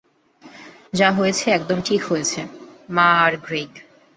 যা হয়েছে একদম ঠিক হয়েছে, মা আর গ্রেগ।